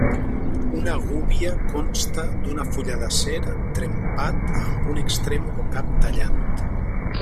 Una gúbia consta d'una fulla d'acer trempat amb un extrem o cap tallant.